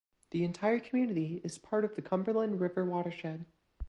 The entire community is part of the Cumberland River watershed.